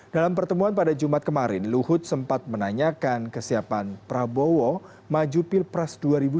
dalam pertemuan pada jumat kemarin luhut sempat menanyakan kesiapan prabowo maju pilpres dua ribu sembilan belas